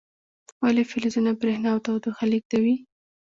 ولې فلزونه برېښنا او تودوخه لیږدوي؟